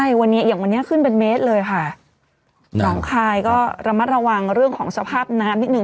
ใช่อีกวันขึ้นเป็นเมตรเลยค่ะลำไคลเรียกว่าร้ำมัดระวังเรื่องสภาพน้ำนิดหนึ่ง